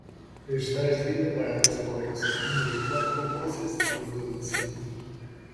Está escrita para dos coros, uno de cuatro voces y otro de cinco.